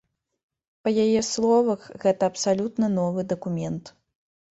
Па яе словах, гэта абсалютна новы дакумент.